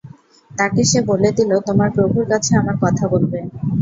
তাকে সে বলে দিলঃ তোমার প্রভুর কাছে আমার কথা বলবে।